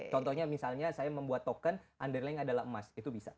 contohnya misalnya saya membuat token underling adalah emas itu bisa